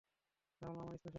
রাহুল আমার স্পেশাল বন্ধু।